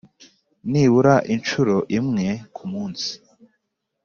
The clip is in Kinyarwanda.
nibura inshuro imwe ku munsi.